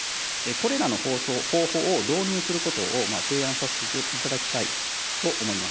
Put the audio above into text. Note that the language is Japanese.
これらの方法を導入することを提案させていただきたいと思います。